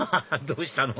どうしたの？